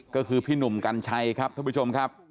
ก็คือพี่หนุ่มกัญชัยครับท่านผู้ชมครับ